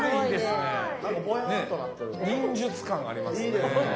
ねえ忍術感ありますね。